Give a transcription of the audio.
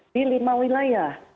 di lima wilayah